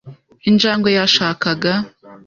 Injangwe yashakaga .